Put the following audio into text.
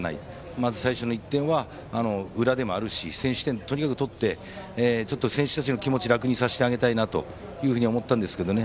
まず、最初の１点は裏でもあるし先取点をとにかく取って選手たちの気持ちを楽にさせてあげたいと思ったんですけどね。